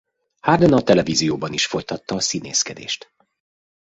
Harden a televízióban is folytatta a színészkedést.